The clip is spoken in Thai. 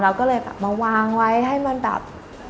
แล้วก็เลยมาวางไว้ให้มันแบบ